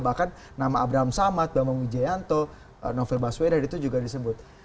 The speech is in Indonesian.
bahkan nama abraham samad bama mijayanto novel baswedar itu juga disebut